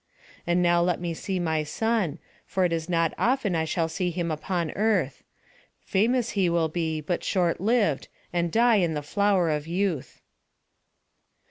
And now let me see my son; for it is not often I shall see him upon earth; famous he will be, but short lived, and die in the flower of youth."